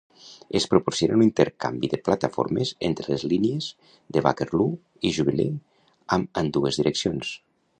Es proporciona un intercanvi de plataformes entre les línies de Bakerloo i Jubilee en ambdues direccions.